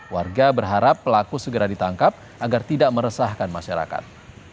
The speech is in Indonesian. warga berharap pelaku segera ditangkap agar tidak meresahkan masyarakat